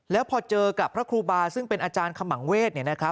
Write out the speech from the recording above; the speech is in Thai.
แล้วพอเจอกับพระครูบาซึ่งเป็นอาจารย์ขมังเวศ